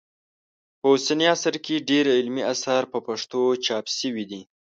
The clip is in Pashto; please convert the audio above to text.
په اوسني عصر کې ډېر علمي اثار په پښتو چاپ سوي دي